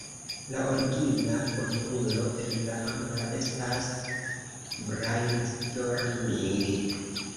La origina formulo en la angla estas "brainstorming".